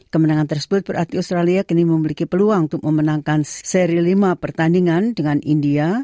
kemenangan tersebut berarti australia kini memiliki peluang untuk memenangkan seri lima pertandingan dengan india